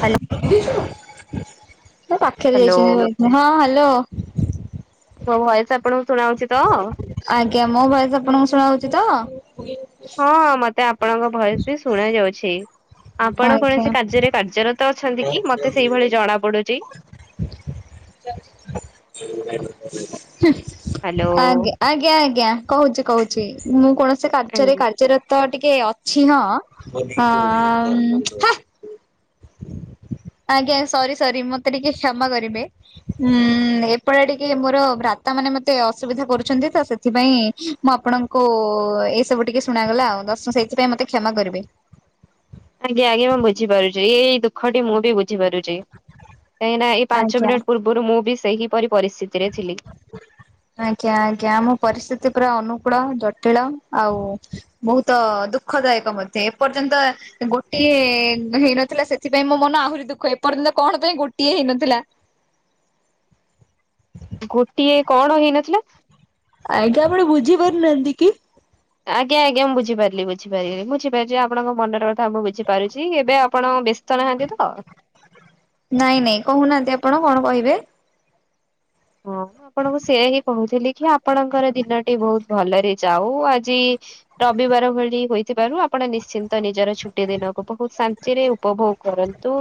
ତୋ ପାଖରେ ଯାଇଛନ୍ତି ହ୍ୟାଲୋ ବେଗେନେ ହଁ ହ୍ୟାଲୋ। ମୋ ଭଏସେ ଆପଣଙ୍କୁ ଶୁଣାଉଛି ତ? ଆଜ୍ଞା ମୋ ଭଏସ ଆପଣଙ୍କୁ ଶୁଣା ହଉଛି ତ? ହଁ ମତେ ଆପଣଙ୍କ ଭଏସେ ବି ଶୁଣା ଯାଉଛି। ଆପଣ ଆଜ୍ଞା କୌଣସି କାର୍ଯ୍ୟରେ କାର୍ଯ୍ୟରତ ତ ଅଛନ୍ତି କି ମତେ ସେଇଭଳି ଜଣା ପଡୁଛି ତ ହୁଁଉଁ ଆଜ୍ଞା। ହ୍ୟାଲୋ। ଆଜ୍ଞା ଆଜ୍ଞା କହୁଛି କହୁଛି ମୁଁ କୌଣସି କାର୍ଯ୍ୟରେ କାର୍ଯ୍ୟର ତ ଟିକେ ଅଛି ହଁ। ହଁ ଅମ୍ ହେଁ। ଆଜ୍ଞା ସରି ସରି ମତେ ଟିକେ କ୍ଷମା କରିବେ। ହୁଁ ଏପଟେ ଟିକେ ମୋର ଭ୍ରତା ମାନେ ମତେ ଅସୁବିଧା କରୁଛନ୍ତି ତ ସେ ସେଥିପାଇଁ ମୁଁ ଆପଣଙ୍କୁ ଏଇ ସବୁ ଟିକେ ଶୁଣାଗଲା ଆଉ ଦ ସେଇଥିପାଇଁ ମତେ କ୍ଷମା କରିବେ। ଆଜ୍ଞା ଆଜ୍ଞା ମୁଁ ବୁଝିପାରୁଛି ଏଇ ଦୁଃଖ ଟି ମୁଁ ବି ବୁଝି ପାରୁଛି। କାଇଁକି ନାଁ ଏଇ ପାଞ୍ଚ ଆଜ୍ଞା ମିନିଟ୍ ପୂର୍ବରୁ ମୁଁ ବି ସେହିପରି ପରିସ୍ଥିତିରେ ଥିଲି। ଆଜ୍ଞା ଆଜ୍ଞାଆମ ପରିସ୍ଥିତି ପୁରା ଅନୁକୂଳ ଜଟିଳ ଆଉ ବହୁତ ଦୁଃଖଦାୟକ ମଧ୍ୟ ଏପର୍ଯ୍ୟନ୍ତ ଗୋଟିଏ ହେଇନଥିଲା ସେଥିପାଇଁ ମୋ ମନ ଆହୁରି ଦୁଃଖ ଏପର୍ଯ୍ୟନ୍ତ କଣ ପାଇଁ ଗୋଟିଏ ହେଇନଥିଲା। ଗୋଟିଏ କଣ ହେଇନଥିଲା? ଆଜ୍ଞା ଆପଣ ବୁଝି ପାରୁନାହାନ୍ତି କି? ଆଜ୍ଞା ଆଜ୍ଞା ମୁଁ ବୁଝିପାରିଲି ବୁଝିପାରିଗଲି ବୁଝିପାରୁଛି ଆପଣଙ୍କ ମନର କଥା ମୁଁ ବୁଝିପାରୁଛି ଏବେ ଆପଣ ବେସି ତଳ ହାଣ୍ଡି ତ। ନାଇଁ ନାଇଁ କହୁନାହାନ୍ତି ଆପଣ କଣ କହିବେ? ହଁ। ମୁଁ ଆପଣଙ୍କୁ ସେହିଁ ହାଁ କହୁଥିଲି କି ଆପଣଙ୍କର ଦିନଟି ବହୁତୁ ଭଲରେ ଯାଉ ଆଜି ରବିବାର ଭଳି ହୋଇଥିବାରୁ ଆପଣ ନିଶ୍ଚିନ୍ତ ନିଜର ଛୁଟି ଦିନକୁ ବହୁତୁ ଶାନ୍ତି ଥିରେ ଉପଭୋଗ କରନ୍ତୁ।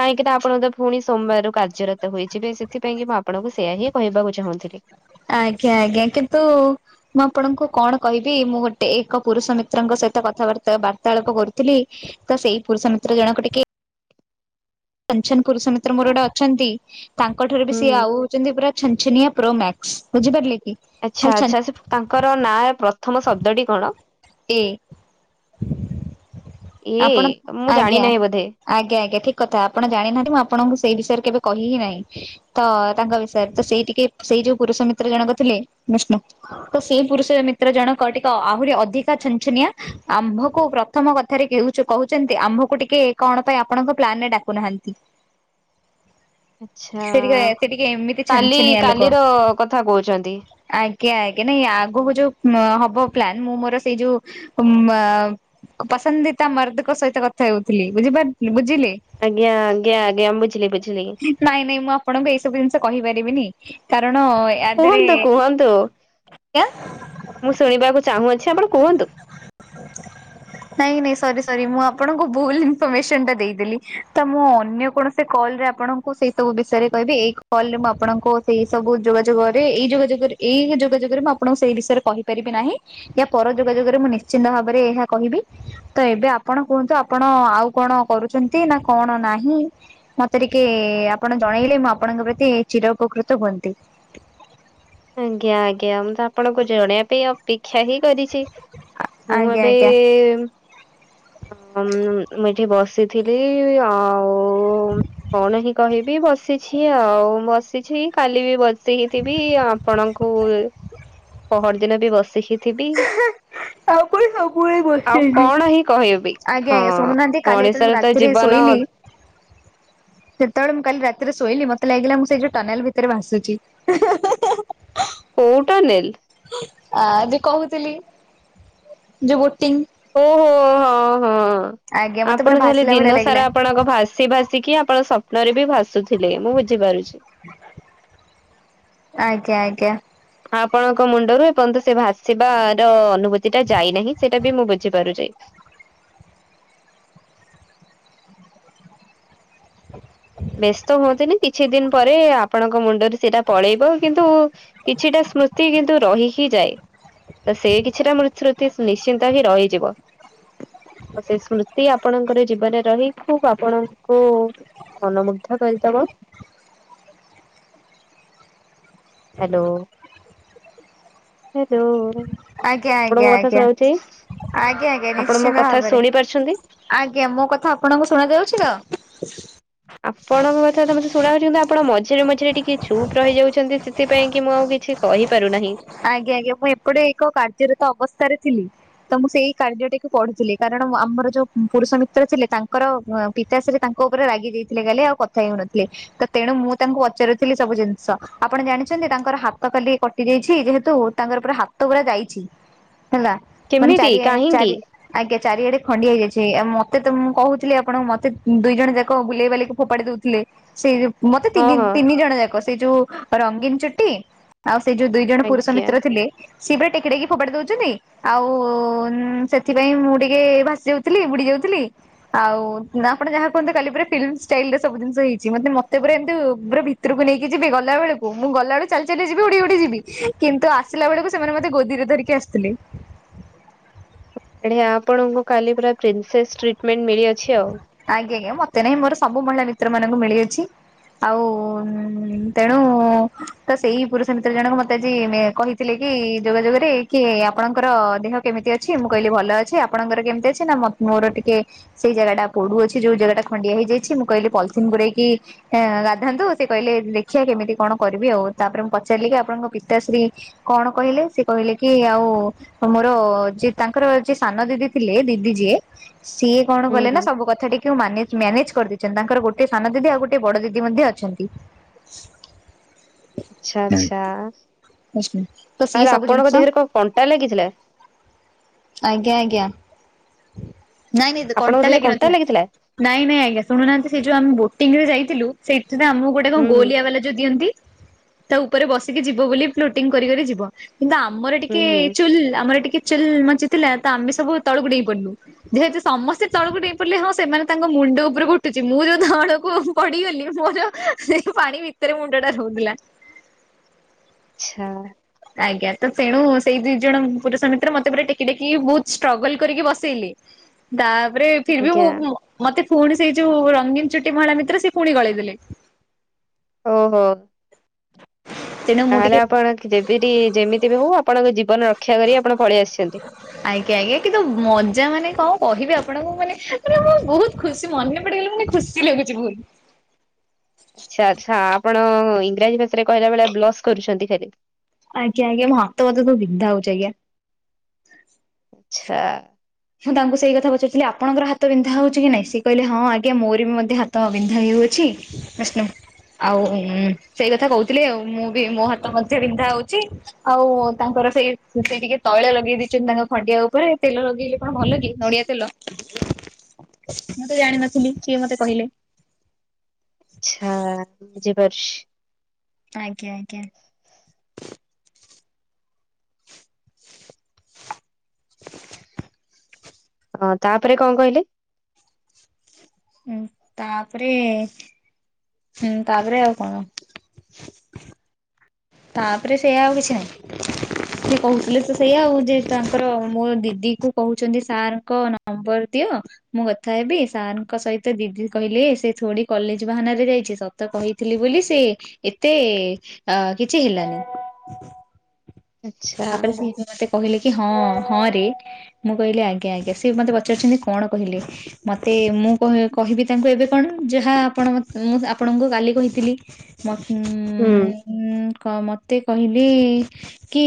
କାହିଁକି ନା ଆପଣ ତ ପୁଣି ସୋମବାରୁ କାର୍ଯ୍ୟରତ ହୋଇଯିବେ ସେଥିପାଇଁ କି ମୁଁ ଆପଣଙ୍କୁ। ସେଇଆ ହିଁ କହିବାକୁ ଚାହୁଁଥିଲି। ଆଜ୍ଞା ଆଜ୍ଞା କିନ୍ତୁ। ମୁଁ ଆପଣଙ୍କୁ କଣ କହିବି ମୁଁ ଗୋଟେ ଏକ ପୁରୁଷ ମିତ୍ରଙ୍କ ସହିତ କଥାବାର୍ତ୍ତା ବାର୍ତ୍ତାଳାପ କରୁଥିଲି। ତ ସେଇ ପୁରୁଷ ମିତ୍ର ଜଣକ ଟିକେ। ଛନ ଛନ ପୁରୁଷ ମିତ୍ର ମୋର ଗୋଟେ ଅଛନ୍ତି ତାଙ୍କ ଠାରୁ ବି ହୁଁ ସିଏ ହୁଁ ଆଉ ହଉଛନ୍ତି ପୁରା ଛନ ଛନିଆ ପ୍ରୋ ମ୍ୟାକ୍ସ ବୁଝିପାରିଲେ କି। ଖାଲି ଆଚ୍ଛା ଛନ ଆଚ୍ଛା ସେ ତାଙ୍କର ନାଁ ପ୍ରଥମ ଶବ୍ଦଟି କଣ? ଏ। ଏ ଆପଣ ମୁଁ ଜାଣି ଆଜ୍ଞା। ନାହିଁ ବୋଧେ। ଆଜ୍ଞା ଆଜ୍ଞା ଠିକ କଥା ଆପଣ ଜାଣିନାହାନ୍ତି ମୁଁ ଆପଣଙ୍କୁ ସେଇ ବିଷୟରେ କେବେ କହିି ନାହିଁ। ତ ତାଙ୍କ ବିଷୟରେ ତ ସେଇ ଟିକେ ସେଇ ଯୋଉ ପୁରୁଷ ମିତ୍ର ଜଣକ ଥିଲେ ବିଷ୍ଣୁ। ତ ସେଇ ପୁରୁଷ ମିତ୍ର ଜଣକ ଟିକେ ଆହୁରି ଅଧିକା ଛନ ଛନିଆ ଆମ୍ଭକୁ ପ୍ରଥମ କଥା କହୁଛନ୍ତି ଆମ୍ଭକୁ ଟିକେ କଣ ପାଇଁ ଆପଣଙ୍କ ପ୍ଲାନରେ ଡାକୁନାହାନ୍ତି। [inaudible] ଆଛା ସେ ଟିକେ ସେ ଟିକେ ଏମିତି କାଲି ଛନଛନିଆ ଲୋକ। କାଲିର କଥା କହୁଛନ୍ତି। ଆଜ୍ଞା ଆଜ୍ଞା ନାଇଁ ଆଗକୁ ଯୋଉ ହବ ପ୍ଲାନ ମୁଁ ମୋର ସେଇ ଯୋଉ ପସନ୍ଦିତା ମାର୍ଦ୍ଦଙ୍କ ସହିତ କଥା ହେଉଥିଲି ବୁଝିପାରି ବୁଝିଲେ। ଆଜ୍ଞା ଆଜ୍ଞା ଆଜ୍ଞାମ୍ ବୁଝିଲି ବୁଝିଲି। ନାଇଁ ନାଇଁ ମୁଁ ଆପଣଙ୍କୁ ଏଇସବୁ ଜିନିଷ କହିପାରିବିନି କାରଣ ୟା ଦେହରେ କୁହନ୍ତୁ କୁହନ୍ତୁ ମୁଁ ଶୁଣିବାକୁ ଚାହୁଁଅଛି ଆପଣ କୁହନ୍ତୁ। ନାଇଁ ନାଇଁ ସରି ସରି ମୁଁ ଆପଣଙ୍କୁ ଭୁଲ ଇନଫର୍ମେସନ ଟା ଦେଇଦେଲି ତ ମୁଁ ଅନ୍ୟ କୌଣସି କଲରେ ଆପଣ ସେଇ ସବୁ ବିଷୟରେ କହିବି ଏଇ କଲରେ ମୁଁ ଆପଣଙ୍କ ସେଇ ସବୁ ଯୋଗାଯୋଗରେ ଏଇ ଯୋଗାଯୋଗରେ ଏଇ ଯୋଗାଯୋଗରେ ମୁଁ ଆପଣଙ୍କୁ ସେଇ ବିଷୟରେ କହିପାରିବି ନାହିଁ। ୟା ପର ଯୋଗାଯୋଗରେ ମୁଁ ନିଶ୍ଚିନ୍ତ ଭାବରେ ଏହା କହିବି। ତ ଏବେ ଆପଣ କୁହନ୍ତୁ ଆପଣ ଆଉ କଣ କରୁଛନ୍ତି ନା କଣ ନାହିଁ। ମତେ ଟିକେ ଆପଣ ଜଣେଇଲେ ମୁଁ ଆପଣଙ୍କ ପ୍ରତି ଚିର ଉପକୃତ ହୁଅନ୍ତି। ଆଜ୍ଞା ଆଜ୍ଞା ମୁଁ ତ ଆପଣଙ୍କୁ ଜଣେଇବା ପାଇଁ ଅପେକ୍ଷା ହିଁ କରିଛି। ମୁଁ ଆଜ୍ଞା ଏବେ। ଆଜ୍ଞା ଅ ମୁଁ ଏଠି ବସିଥିଲି ଅ। ଓଁ କଣ ହିଁ କହିବି ବସି ଆସିଛି ଆଉ ବସିଛି କାଲି ବି ବସିଥିବି ଆପଣଙ୍କୁ ପହରଦିନ ବି ବସିକି ଥିବି ଆଉ ପୁଣି ସବୁବେଳେ ଆଉ ବସେଇଲୁ। କଣ ହେଇ। ବସିଥିବି ଆଜ୍ଞା ହଁ ଆଜ୍ଞା ଶୁଣୁନାହାନ୍ତି କାଲି ଯେତେବେଳେ ମୁଁ ମଣିଷର ତ ରାତିରେ ଜୀବନ ଶୋଇଲି ଅ ସେତେବେଳେ ମୁଁ କାଲି ରାତିରେ ଶୋଇଲି ମତେ ଲାଗିଲା ମୁଁ ସେଇ ଯୋଉ ଟନେଲ ଭିତରେ ଭାସୁଛି। କଉ ଟନେଲ। ଆ ଯଉ କହୁଥିଲି ଯୋଉ ବୋଟିଂ। ଓହୋ ହୋ ହଁ ହଁ ଆଜ୍ଞା ମତେ ପୁରା ଆପଣ ତାହେଲେ ଭାସିଲା ଭଳିଆ ଦିନ ଲାଗିଲା। ସାରା ଆପଣଙ୍କ ଭାସି ଭାସି। ଆସିକି ଆପଣ ସ୍ୱପ୍ନରେ ବି ଭାସୁଥିଲେ ମୁଁ ବୁଝିପାରୁଛି। [inaudible] ଆଜ୍ଞା ଆଜ୍ଞା। ଆପଣଙ୍କ ମୁଣ୍ଡରୁ ଏପର୍ଯ୍ୟନ୍ତୁ ସେ ଭାସିବାର ଅନୁଭୂତି ଟା ଯାଇନାହିଁ ସେଇଟା ବି ମୁଁ ବୁଝିପାରୁଛି। ବ୍ୟସ୍ତ ହୁଅନ୍ତିନି କିଛି ଦିନ ପରେ ଆପଣଙ୍କ ମୁଣ୍ଡରେ ସେଇଟା ପଳେଇବ କିନ୍ତୁ। କିଛିଟା ସ୍ମୃତି କିନ୍ତୁ ରହି ହିଁ ଯାଏ। ତ ସେଇ କିଛିଟା ମୃ ଶ୍ରୁତି ନିଶ୍ଚିନ୍ତ ହିଁ ରହିଯିବ। ଆଉ ସେ ସ୍ମୃତି ଆପଣଙ୍କର ଜୀବନରେ ରହି ଖୁବ ଆପଣଙ୍କୁ ମନମୁଗ୍ଧ କରିଦବ। ହାଲୋ ଆଜ୍ଞା ଆଜ୍ଞା ଆଜ୍ଞା ଆଜ୍ଞା ଆଜ୍ଞା ଆପଣ ମୋ ନିଶ୍ଚିନ୍ତ କଥା ଭାବରେ। ଶୁଣି ପାରୁଛନ୍ତି? ଆଜ୍ଞା ମୋ କଥା ଆପଣଙ୍କୁ ଶୁଣ ଯାଉଛି ତ। ଆପଣଙ୍କ କଥା ତ ମତେ ଶୁଣାଉ କିନ୍ତୁ ଆପଣ ମଝିରେ ମଝିରେ ଟିକେ ଛୁପ୍ ରହିଯାଉଛନ୍ତି ସେଥିପାଇଁ କି ମୁଁ ଆଉ କିଛି କହିପାରୁନାହିଁ। ଆଜ୍ଞା ଆଜ୍ଞା ମୁଁ ଏପଟେ ଏକ କାର୍ଯ୍ୟରତ ଅବସ୍ଥାରେ ଥିଲି। ତ ମୁଁ ସେଇ କାର୍ଯ୍ୟଟିକୁ ପଢୁଥିଲି କାରଣ ଆମର ଯୋଉ ପୁରୁଷ ମିତ୍ର ଥିଲେ ତାଙ୍କର ପିତାଶ୍ରୀ ତାଙ୍କ ଉପରେ ରାଗି ଯାଇଥିଲେ କାଲି ଆଉ କଥା ହେଉନଥିଲେ। ତ ତେଣୁ ମୁଁ ତାଙ୍କୁ ପଚାରୁଥିଲି ସବୁ ଜିନିଷ ଆପଣ ଜାଣିଚନ୍ତି ତାଙ୍କର ହାତ କାଲି କଟି ଯାଇ ଛି ଯେହେତୁ ତାଙ୍କର ପୁରା ହାତ ପୁରା ଯାଇଛି ହେଲା ମାନେ କେମିତି ଚାରି କାହିଁକି ଚାରି ଆଜ୍ଞା ଚାରିଆଡେ ଖଣ୍ଡିଆ ହେଇଯାଇଛି ଆଉ ମତେ ତ ମୁଁ କହୁଥିଲି ଆପଣଙ୍କୁ ମତେ ଦୁଇ ଜଣ ଯାକ ବୁଲେଇବାୁଲି ଫୋପାଡ଼ି ଦଉଥିଲେ ସେ ମତେ ହଁ ତିନି ହଁ ତିନି ଜଣ ଯାକ ସେ ଯୋଉ ରଙ୍ଗୀନ ଚୁଟି ଆଉ ସେ ଦୁଇ ଜଣ ପୁରୁଷ ଆଜ୍ଞା ମିତ୍ର ଥିଲେ ସିଏ ବା ଟେକି ଟେକି ଫୋପାଡି ଦଉଚନ୍ତି। ଆଉ ଉଁ ସେଥିପାଇଁ ମୁଁ ଟିକେ ଭାସି ଯାଉଥିଲି ବୁଡି ଯାଉଥିଲି ଆଉ ଆପଣ ଯାହା କୁହନ୍ତୁ କାଲି ପୁରା ଫିଲ୍ମଷ୍ଟାଇଲରେ ସବୁ ଜିନିଷ ହେଇଛି ମତେ ମତେ ପୁରା ଏମତି ପୁରା ଭି ଭିତ୍ରକୁ ନେଇକି ଯିବେ ଗଲା ବେଳକୁ ମୁଁ ଗଲା ବେଳୁ ଚାଲି ଚାଲି ଯିବି ଉଡ଼ି ଉଡି ଯିବି। କିନ୍ତୁ ଆସିଲା ବେଳକୁ ସେମାନେ ମତେ ଗୋଦିରେ ଧରିକି ଆସିଥିଲେ। ଏଣି ଆପଣଙ୍କୁ କାଲି ପୁରା ପ୍ରିନ୍ସେସ୍ ଟ୍ରିଟମେଣ୍ଟ ମିଳିଅଛି ଆଉ। ଆଜ୍ଞା ଆଜ୍ଞା ମତେ ନାଇଁ ମୋର ସବୁ ମହିଳା ମିତ୍ର ମାନଙ୍କୁ ମିଳି ଅଛି ଆଉ ତେଣୁ ତ ସେଇ ପୁରୁଷ ମିତ୍ର ଜଣକ ମତେ ଆଜି ମେ କହି ଥିଲେ କି ଯୋଗାଯୋଗରେ କି ଆପଣଙ୍କର ଦେହ କେମିତି ଅଛି ମୁଁ କହିଲି ଭଲ ଅଛି ଆପଣଙ୍କର କେମିତି ଅଛି ନା ମୋ ମୋର ଟିକେ ସେଇ ଜାଗା ଟା ପୋଡୁ ଅଛି ଯୋଉ ଜାଗା ଟା ଖଣ୍ଡିଆ ହେଇଯାଇଛି ମୁଁ କହିଲି ପଲିଥିନ୍ ଗୋରେଇକି ଏଁଆ ଗାଧାନ୍ତୁ ସେ କହିଲେ ଦେଖିବା କେମିତି କଣ କରିବି ଆଉ ତାପରେ ମୁଁ ପଚାରିଲି କି ଆପଣଙ୍କ ପିତାଶ୍ରୀ କଣ କହିଲେ ସେ କହିଲେ କି ଆଉ ତ ମୋର ଯେ ତାଙ୍କର ଯିଏ ସାନ ଦିଦି ଥିଲେ ଦିଦି ଯିଏ ସିଏ କଣ ହୁଁ କଲେ ନା ହୁଁ ବୁ କଥା ଟିକୁ ମ୍ୟାନେଜ୍ କରିଦେଇଛନ୍ତି ତାଙ୍କର ଗୋଟେ ସାନ ଦିଦି ଆଉ ଗୋଟେ ବଡ ଦିଦି ମଧ୍ୟ ଅଛନ୍ତି। [unintelligible] ଆଛା ଆଛା ତ ସିଏ ତାହେଲେ ସବୁ ଜିନିଷ ଆପଣଙ୍କ ଦେହରେ କଣ କଣ୍ଟା ଲାଗିଥିଲା। ଆଜ୍ଞା ଆଜ୍ଞା ନାଇଁ ନାଇଁ ତ ଆପଣଙ୍କ କଣ୍ଟା ଦେହରେ ଲାଗି ନ ଲାଗିଥିଲା ନାଇଁ ନାଇଁ ଆଜ୍ଞା ଶୁଣୁନାହାନ୍ତି ସେ ଯଉ ଆମେ ବୋଟିଂ ରେ ଯାଇଥିଲୁ ସେଥି ପାଇଁ ଆମକୁ ଗୋ ଟା କଣ ହୁଁ ହୁଁ ଗୋଲିଆ ବାଲା ଯୋଉ ଦିଅନ୍ତି ତା ଉପରେ ବସିକି ଯିବ ବୋଲି ଫ୍ଲୋଟିଙ୍ଗ କରି କରି ଯିବ। କିନ୍ତୁ ଆମର ହୁଁ ଟିକେ ହୁଁ ଚୁଲ୍ ଆମର ଟିକେ ଚୁଲ୍ ମଞ୍ଚିଥିଲା ତ ଆମେ ସବୁ ତଳକୁ ଡେଇଁ ପଡିଲୁ ଯେହେତୁ ସମସ୍ତେ ତଳକୁ ଡେ ହଁ ସେମାନେ ତାଙ୍କ ମୁଣ୍ଡ ଉପରୁକୁ ଉୁଠୁଛି ମୁଁ ଯୋଉ ତଳକୁ ପଡିଗଲି ମୋର ପାଣି ଭି ତେରେ ମୁଣ୍ଡ ଟା ରହୁଥିଲା। ଛା ଆଜ୍ଞା ତେଣୁ ସେଇ ଦି ଜଣ ପୁରୁଷ ମିତ୍ର ମତେ ପୁରା ଟେକି ଟେକି ବହୁତ ଷ୍ଟ୍ରଗଲ କରିକି ବସେଇଲେ। ତାପରେ ଫିର୍ରବି ଆଜ୍ଞା ମୁଁ ମତେ ପୁଣି ସେଇ ଯୋଉ ରଙ୍ଗୀନ ଚୁଟି ମହିଳା ମିତ୍ର ସେ ପୁଣି ଗଳେଇଦେଲେ। ଓହୋ ତେଣୁ ମୁଁ ତାହେଲେ ଟିକେ ଆପଣ [unintelligible] ଯେମିତି ବି ହଉ ଆପଣଙ୍କ ଜୀବନ ରକ୍ଷା କରି ଆପଣ ପଳେଇ ଆସିଛନ୍ତି। ଆଜ୍ଞା ଆଜ୍ଞା କିନ୍ତୁ ମଜା ମାନେ କଣ କହିବି ଆପଣଙ୍କୁ ମାନେ ମାନେ ମୁଁ ବହୁତ ଖୁସି ମନେ ପଡିଗଲେ ମାନେ ଖୁସି ଲାଗୁଛି [unintelligible] ଆଛା ଆଛା ଆପଣ ଇଂରାଜୀ ଭାଷାରେ କହିଲା ବେଳେ ବ୍ଲସ୍ କରୁଛନ୍ତି ଖାଲି। ଆଜ୍ଞା ଆଜ୍ଞା ମୋ ହାତ ଫାତ ବିନ୍ଧା ହଉଛି ଆଜ୍ଞା। ହ ଆଚ୍ଛା। ହଁ ତାଙ୍କୁ ସେଇ କଥା ପଚାରୁଥିଲ ଆପଣଙ୍କର ହାତ ବିନ୍ଧା ହଉଛି କି ନାଇଁ ସେ କହିଲ ହଁ ଆଜ୍ଞା ମୋର ବି ମଧ୍ୟ ହା ହାତ ବିନ୍ଧା ବି ହେଉଅଛି ବିଷ୍ଣୁ। ଆଉ ସେଇ କଥା କହୁଥିଲି ଆଉ ମୁଁ ବି ମୋ ହାତ ମଧ୍ୟ ବିନ୍ଧା ହୋଉଛି। ଆଉ ତାଙ୍କର ସେଇ ସେ ଟିକେ ତୈଳ ଲଗେଇ ଦେଇଛନ୍ତି ତାଙ୍କ ଖଣ୍ଡିଆ ଉପରେ, ତେଲ ଲଗେଇଲେ କଣ ଭଲ କି ନଡିଆ ତେଲ ମୁଁ ତେ ଜାଣିନଥିଲି ସିଏ ମତେ କହିଲେ। ଆଚ୍ଛା ବୁଝିପାରୁଛି। ଆଜ୍ଞା ଆଜ୍ଞା। ହଁ ତାପରେ କଣ କହିଲେ? ହଁ ତାପରେ ହୁଁ ତାପରେ ଆଉ କଣ ତାପରେ ସେଇୟା ଆଉ କିଛି ନାହିଁ। ସେ କହୁଥିଲେ ତ ସେଇଆ ଆଉ ଯେ ତାଙ୍କର ମୋ ଦିଦି କୁ କହୁଛନ୍ତି ସାର୍ ଙ୍କ ନମ୍ବର ଦିଅ। ମୁଁ କଥା ହେବି ସାର୍ ଙ୍କ ସହିତ ଦିଦି କହିଲେ ସେ ଥୋଡି କଲେଜ ବାହାନାରେ ଯାଇଛି ସ ତ କହିଥିଲି ବୋଲି ସେ ଏତେ ଅ କିଛି ହେଲାନି। ଆଚ୍ଛା ତାପରେ ସେ ମତେ କହିଲେ କି ହଁ ହଁ ରେ। ମୁଁ କହିଲି ଆଜ୍ଞା ଆଜ୍ଞା ସି ମତେ ପଚାରୁିଛନ୍ତି କଣ କହିଲେ? ମତେ ମୁଁ କହିବି ତାଙ୍କୁ ଏବେ କଣ ଯାହା ଆପଣ ମୁଁ ଆପଣଙ୍କୁ କାଲି କହିଥିଲି ମ ହୁଁ ଊ ମତେ କହିଲେ କି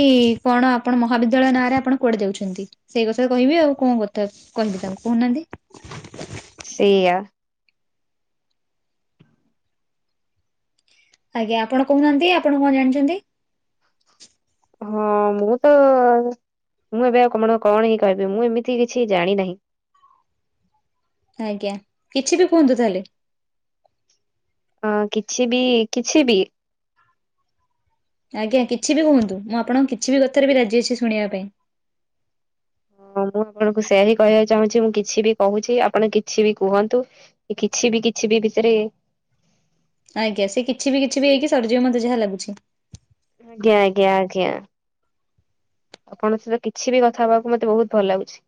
କଣ ଆପଣ ମହାବିଦ୍ୟାଳୟ ନାଁରେ ଆପଣ କୁଆଡେ ଯାଉଛନ୍ତି? ସେଇ କଥା କହିବି ଆଉ କଣ କଥା କହିବି ତାଙ୍କୁ କହୁନାହାନ୍ତି? ସେଇୟା ଆଜ୍ଞା ଆପଣ କହୁନାହାନ୍ତି ଆପଣ କଣ ଜାଣିଛନ୍ତି? ହଁ ମୁଁ ତ ମୁଁ ଏବେ ଆଉ କଣ କଣ ହି କହିବି ମୁଁ ଏମିତି କିଛି ଜାଣି ନାହିଁ। ଆଜ୍ଞା କିଛି ବି କୁହନ୍ତୁ ତାହେଲେ। ହଁ କିଛି ବି କିଛି ବି ଆଜ୍ଞା କିଛି ବି କୁହନ୍ତୁ ମୁଁ ଆପଣଙ୍କ କିଛି ବି କଥାରେ ବି ରାଜି ଅଛି ଶୁଣିବା ପାଇଁ। ହଁ ମୁଁ ଆପଣଙ୍କୁ ସେ ହି କହିବାକୁ ଚାହୁଁଛି ମୁଁ କିଛି ବି କହୁଛି ଆପଣ କିଛି ବି କୁହନ୍ତୁ। କିଛି ବି କିଛି ବି ଭିତରେ ଆଜ୍ଞା ସେ କିଛି ବି କିଛି ବି ହେଇକି ସରିଯିବ ମତେ ଯାହା ଲାଗୁଛି। ଆଜ୍ଞା ଆଜ୍ଞା ଆଜ୍ଞା। ଆପଣଙ୍କ ସହିତ କିଛି ବି କଥା ହବାକୁ ମତେ ବହୁତ ଭଲ ଲାଗୁଛି।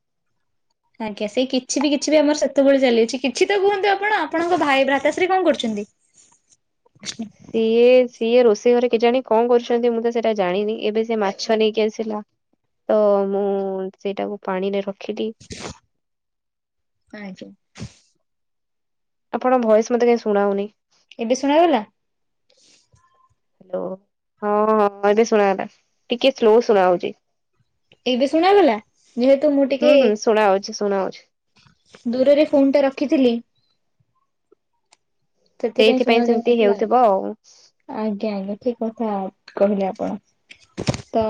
ଆଜ୍ଞା ସେଇ କିଛି ବି କିଛି ବି ଆମର ସେତେବେଳୁ ଚାଲି ଅଛି କିଛି ତ କୁହନ୍ତୁ ଆପଣ ଆପଣଙ୍କ ଭାଇ ଭ୍ରାତାଶ୍ରୀ କଣ କରୁଛନ୍ତି? ହ [inaudible] [unintelligible] ସିଏ ସିଏ ରୋଷେଇ ଘରେ କେଜାଣି କଣ କରୁଛନ୍ତି ମୁଁ ତ ସେଇଟା ଜାଣିନି ଏବେ ସେି ମାଛ ନେଇକି ଆସିଲା। ତ ମୁଁ ସେଇଟାକୁ ପାଣିରେ ରଖିଲି। ଆଜ୍ଞା। ଆପଣ ଭଏସ ମତେ କାହିଁ ଶୁଣାଯାଉନି। ଏବେ ଶୁଣାଗଲା? ହ୍ୟାଲୋ ହଁ ହଁ ଏବେ ଶୁଣ ଗଲା ଟିକେ ସ୍ଲୋ ଶୁଣା ହଉଚି। ଏବେ ଶୁଣାଗଲା ଯେହେତୁ ମୁଁ ଟିକେ ଶୁଣାଉଚି ଶୁଣାଉଚି। ଦୂରରେ ଫୋନ୍ ଟା ରଖିଥିଲି। ସେଥିପାଇଁ ସେଇଥିପାଇଁ ଶୁଣାଯାଉ ସେମିତି ନଥିଲା। ହେଉଥିବ ଆଉ ଆଜ୍ଞା ଆଜ୍ଞା ଠିକ କଥା କହିଲେ ଆପଣ ତ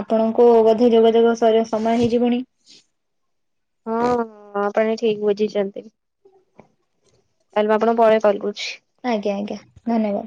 ଆପଣଙ୍କୁ ବୋଧେ ଯୋଗାଯୋଗ ସରି ସମୟ ହେଇଯିବଣି। ହଁ ଆପଣ ଠିକ ବୁଝିଚନ୍ତି। ତାହେଲେ ମୁଁ ଆପଣ ଙ୍କୁ ପରେ କଲ୍ କରୁଚି। ଆଜ୍ଞା ଆଜ୍ଞା ଧନ୍ୟବାଦ।